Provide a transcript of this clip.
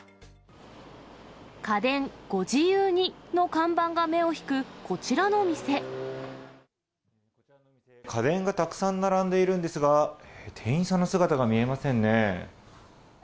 家電ゴジユウニの看板が目を家電がたくさん並んでいるんですが、店員さんの姿が見えませんね。